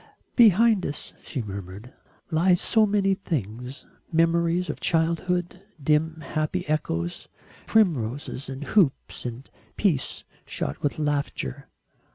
"Behind us," she murmured, "lie so many things memories of childhood, dim happy echoes, primroses and hoops and peace shot with laughter.